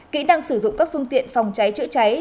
kỹ năng sử dụng các phương tiện phòng cháy chữa cháy